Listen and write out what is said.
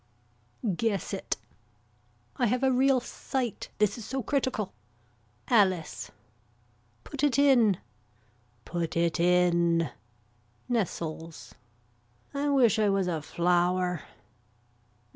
Guess it. I have a real sight. This is so critical. Alice. Put it in. Put it in. Nestles. I wish I was a flower.